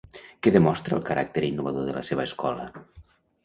Què demostra el caràcter innovador de la seva escola?